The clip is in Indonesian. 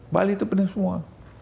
bali itu penuh semua